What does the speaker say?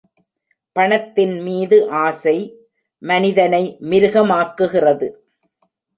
பணத்தின் மீது ஆசை, மனிதனை மிருக மாக்குகிறது.